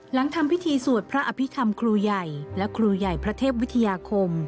หลังทำพิธีสวดพระอภิษฐรรมครูใหญ่และครูใหญ่พระเทพวิทยาคม